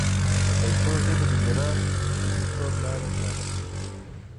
د پښتو ژبي د میراث او ژونديتوب لاره څارله